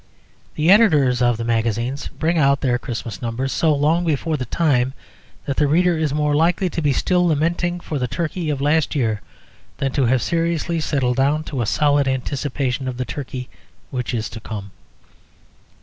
The editors of the magazines bring out their Christmas numbers so long before the time that the reader is more likely to be still lamenting for the turkey of last year than to have seriously settled down to a solid anticipation of the turkey which is to come.